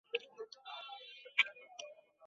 আমি তার ব্যবস্থা নিচ্ছি।